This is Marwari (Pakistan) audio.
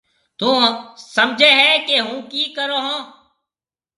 ٿُون سمجهيََ هيَ ڪي هُون ڪِي ڪرون هون۔